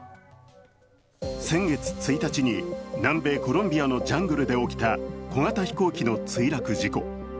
先月１日に南米コロンビアのジャングルで起きた、小型飛行機の墜落事故。